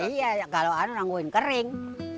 iya kalau anu nangguin kering